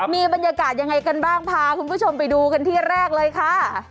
มีบรรยากาศยังไงกันบ้างพาคุณผู้ชมไปดูกันที่แรกเลยค่ะ